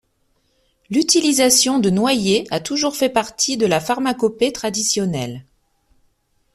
L'utilisation de noyer a toujours fait partie de la pharmacopée traditionnelle.